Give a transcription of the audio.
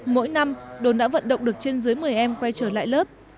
mỗi năm đồn đã vận động được trên dưới một mươi em quay trở lại lớp